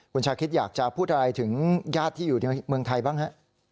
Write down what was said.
คุณชาคิดอยากจะพูดอะไรถึงญาติที่อยู่ในเมืองไทยบ้างฮะ